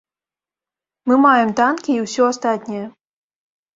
Мы маем танкі і ўсё астатняе.